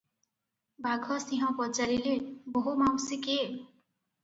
ବାଘସିଂହ ପଚାରିଲେ, "ବୋହୁ ମାଉସୀ କିଏ?